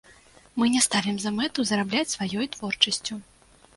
Мы не ставім за мэту зарабляць сваёй творчасцю.